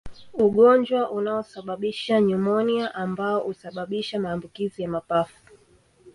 Ugonjwa unaosababisha nyumonia ambao usababisha maambukizi ya mapafu